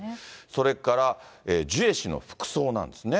それからジュエ氏の服装なんですね。